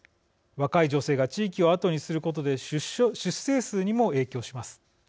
若い女性が地域を後にすることで出生数にも影響します。